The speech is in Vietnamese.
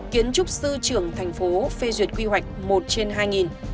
kiến trúc sư trưởng tp phê duyệt quy hoạch một trên hai